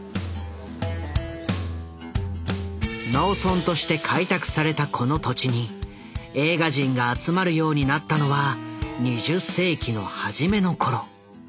農村として開拓されたこの土地に映画人が集まるようになったのは２０世紀の初めの頃。